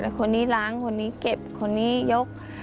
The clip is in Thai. คนนี้ล้างคนนี้เก็บคนนี้ยก